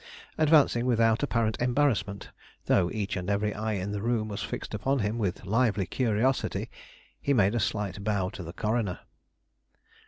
Advancing without apparent embarrassment, though each and every eye in the room was fixed upon him with lively curiosity, he made a slight bow to the coroner.